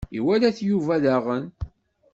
Iwala-t Yuba, daɣen.